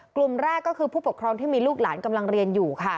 กลุ่มแรกก็คือผู้ปกครองที่มีลูกหลานกำลังเรียนอยู่ค่ะ